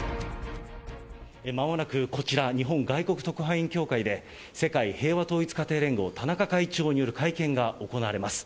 まもなくこちら、日本外国特派員協会で、世界平和統一家庭連合、田中会長による会見が行われます。